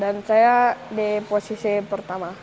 dan saya di posisi pertama